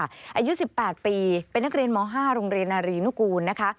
อายุ๑๘ปีเป็นนักเรียนม๕โรงเรียนนารีนุกูลนะคะ